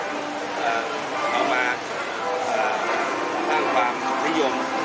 แปลงทางความไพมิโมย์